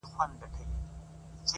پوه انسان د حقیقت له موندلو خوند اخلي،